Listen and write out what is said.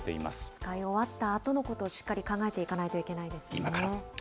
使い終わったあとのこと、しっかり考えていかないといけない今から。